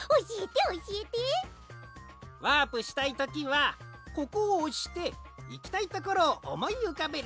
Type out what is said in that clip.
ワープしたいときはここをおしていきたいところをおもいうかべる。